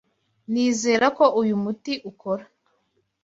Nizere ko uyu muti ukora.